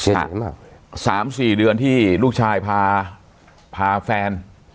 เจ็บเจ็บมาก๓๔เดือนที่ลูกชายพาพาแฟนครับ